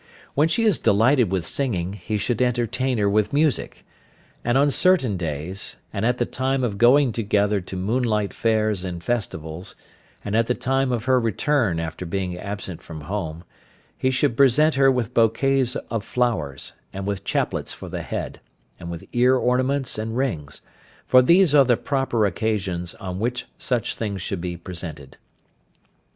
When she is delighted with singing he should entertain her with music, and on certain days, and at the time of going together to moonlight fairs and festivals, and at the time of her return after being absent from home, he should present her with bouquets of flowers, and with chaplets for the head, and with ear ornaments and rings, for these are the proper occasions on which such things should be presented.